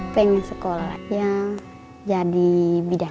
pengen sekolah ya jadi bidang